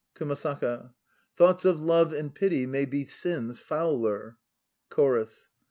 KUMASAKA 63 KUMASAKA. Thoughts of love and pity May be sins fouler CHORUS.